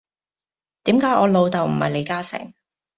點解我老竇唔係李嘉誠